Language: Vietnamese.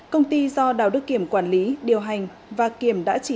công ty do đào đức kiểm quản lý điều hành và kiểm đã truyền thông